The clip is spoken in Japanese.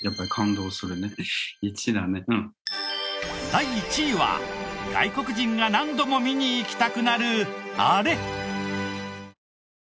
第１位は外国人が何度も見に行きたくなるあれ。